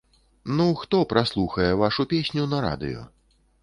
Ну, хто праслухае вашу песню на радыё?